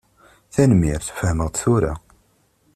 Tanemmirt, fehmeɣ-d tura.